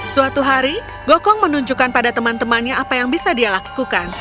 suatu hari gokong menunjukkan pada teman temannya apa yang bisa dia lakukan